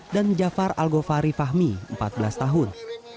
dan jafar algofari fahmi empat belas tahun